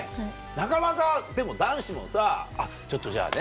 なかなかでも男子もさちょっとじゃあね